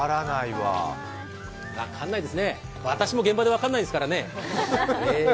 分かんないですね、私も現場で分かんないですからね。